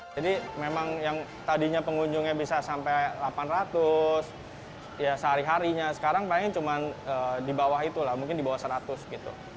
jadi memang yang tadinya pengunjungnya bisa sampai delapan ratus ya sehari harinya sekarang paling cuman di bawah itulah mungkin di bawah seratus gitu